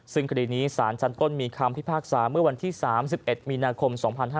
ซึ่งคดีนี้สารชั้นต้นมีคำพิพากษาเมื่อวันที่๓๑มีนาคม๒๕๕๙